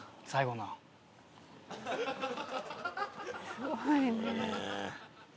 すごいね。